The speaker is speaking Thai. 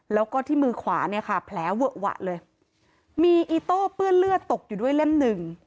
แล้วก็ที่มือขวาเนี่ยค่ะแผลเวอะหวะเลยมีอีโต้เปื้อนเลือดตกอยู่ด้วยเล่มหนึ่ง